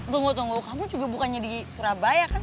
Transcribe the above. tunggu tunggu kamu juga bukannya di surabaya kan